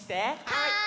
はい。